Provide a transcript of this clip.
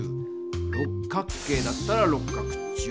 六角形だったら「六角柱」。